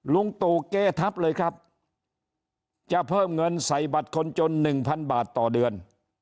ลุงตู่เกทับเลยครับจะเพิ่มเงินใส่บัตรคนจน๑๐๐บาทต่อเดือน